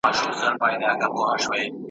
مینه د انسان در پکښي غواړم اورنۍ `